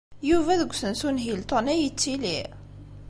Yuba deg usensu n Hilton ay yettili?